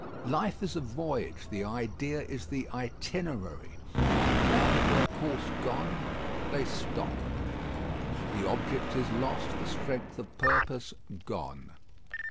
Life is a voyage; the idea is the itinerary. The plan of their course gone, they stop. The object is lost, the strength of purpose gone.